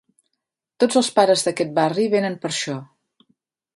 Tots els pares d'aquet barri venen per això